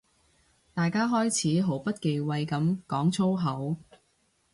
大家開始毫不忌諱噉講粗口